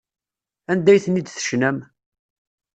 Anda ay ten-id-tecnam?